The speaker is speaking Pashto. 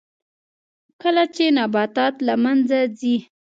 کله چې نباتات له منځه ځي